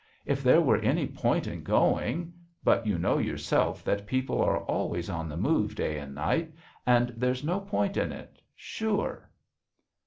If there were any point in going but you know yourself that people are always on the move day and night and there's no point in it. Sure!"